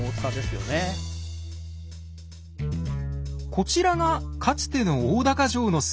こちらがかつての大高城の姿。